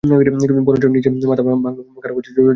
বরঞ্চ নিজের মাথা ভাঙা ভালো, কারও কাছে জবাবদিহি করতে হয় না।